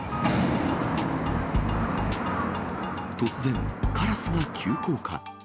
突然、カラスが急降下。